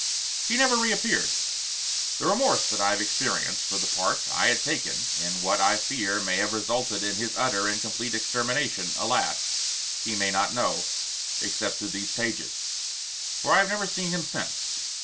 He never reappeared. The remorse that I have experienced for the part I had taken in what I fear may have resulted in his utter and complete extermination, alas! he may not know, except through these pages. For I have never seen him since.